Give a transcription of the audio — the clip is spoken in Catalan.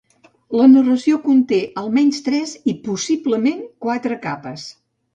La narració conté almenys tres i possiblement quatre capes.